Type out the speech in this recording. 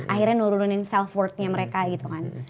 akhirnya nurunin self worthnya mereka gitu kan